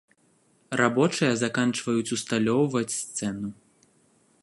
Рабочыя заканчваюць ўсталёўваць сцэну.